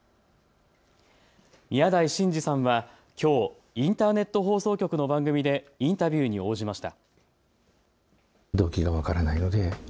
宮台真司さんはきょうインターネット放送局の番組でインタビューに応じました。